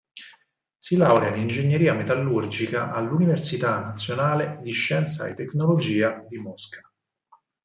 Si laurea in ingegneria metallurgica all"'Università Nazionale di Scienza e Tecnologia" di Mosca.